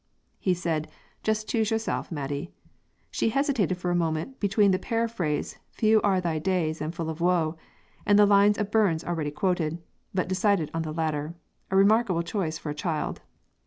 He said, 'Just choose yourself, Maidie.' She hesitated for a moment between the paraphrase 'Few are thy days, and full of woe,' and the lines of Burns already quoted, but decided on the latter, a remarkable choice for a child.